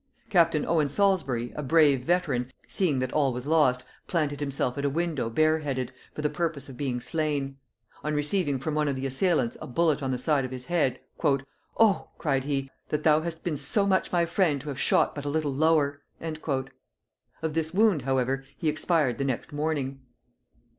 Captain Owen Salisbury, a brave veteran, seeing that all was lost, planted himself at a window bare headed, for the purpose of being slain: on receiving from one of the assailants a bullet on the side of his head, "O!" cried he, "that thou hadst been so much my friend to have shot but a little lower!" Of this wound however he expired the next morning.